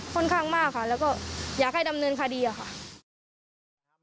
ค่อนข้างมากค่ะแล้วก็อยากให้ดำเนินคดีอะค่ะ